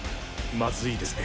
まずいですね。